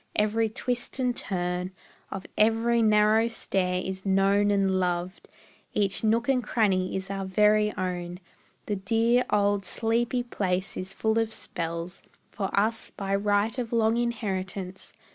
Every twist and turn Of every narrow stair is known and loved; Each nook and cranny is our very own; The dear, old, sleepy place is full of spells For us, by right of long inheritance.